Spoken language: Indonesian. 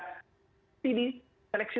sini seleksi tahap kemudian masuk ke